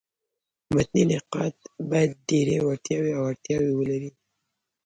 متني نقاد باید ډېري وړتیاوي او اړتیاوي ولري.